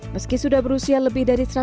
meski sudah berusia lebih dari